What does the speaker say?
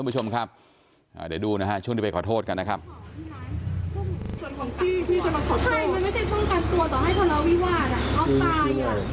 แล้วทำไมต้องทำกันขนาดนี้อ่ะ